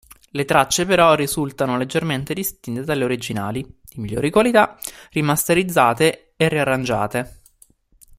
Le tracce però risultano leggermente distinte dalle originali; di migliore qualità, rimasterizzate e riarrangiate.